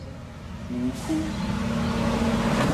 迂拘